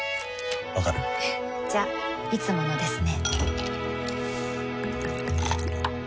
わかる？じゃいつものですね